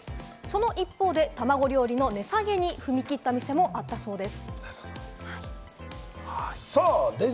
その一方でたまご料理の値下げに踏み切った店もあったそうです。